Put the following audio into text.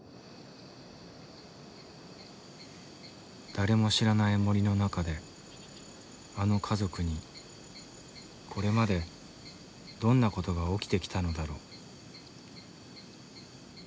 誰も知らない森の中であの家族にこれまでどんな事が起きてきたのだろう。